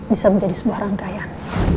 bisa menjadi sebuah rangkaian